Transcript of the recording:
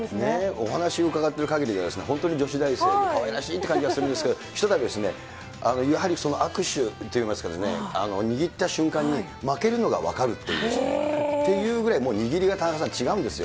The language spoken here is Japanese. お話を伺ってるかぎりは、本当に女子大生でかわいらしいって感じがするんですけど、ひとたび、やはり握手といいますか、握った瞬間に、負けるのがわかるっていう、っていうぐらい握りが、田中さん、違うんですよ。